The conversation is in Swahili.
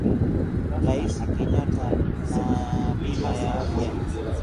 Raisi Kenyata na bima ya Afya